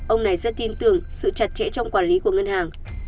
ông này rất tin tưởng sự chặt chẽ trong quản lý của ngân hàng